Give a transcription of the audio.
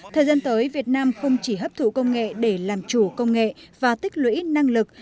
thời gian tới việt nam không chỉ hấp thụ công nghệ để làm chủ công nghệ và tích lũy năng lực